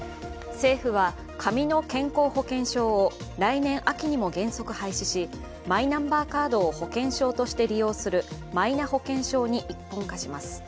政府は、紙の健康保険証を来年秋にも原則廃止しマイナンバーカードを保険証として利用するマイナ保険証に一本化します。